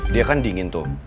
dia kan dingin tuh